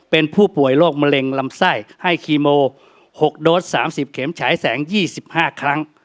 เป็นผู้ป่วยโรคมะเร็งรำไส้ให้กรีโมหกโดดสามสิบเข็มฉายแสงยี่สิบห้าครั้ง